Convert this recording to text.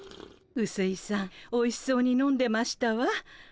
うすいさんおいしそうに飲んでましたわ。